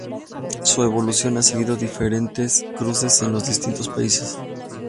Su evolución ha seguido diferentes cauces en los distintos países.